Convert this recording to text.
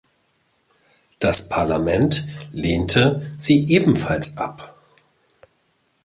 Das Parlament lehnte sie ebenfalls ab.